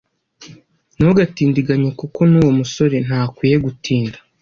ntugatindiganye kuko n’uwo musore ntakwiye gutinda